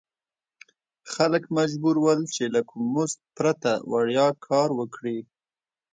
خلک مجبور ول چې له کوم مزد پرته وړیا کار وکړي.